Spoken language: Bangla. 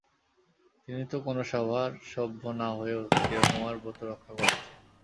তিনি তো কোনো সভার সভ্য না হয়েও চিরকুমার ব্রত রক্ষা করেছেন।